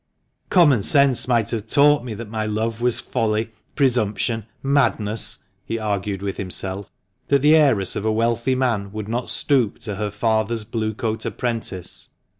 "Common sense might have taught me that my love was folly, presumption, madness!" he argued with himself; that the heiress of a wealthy man would not stoop to her father's Blue coat apprentice.